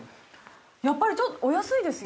◆やっぱりちょっとお安いですよね。